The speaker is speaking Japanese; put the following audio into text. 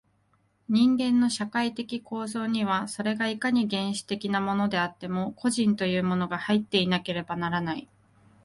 人間の社会的構造には、それがいかに原始的なものであっても、個人というものが入っていなければならない。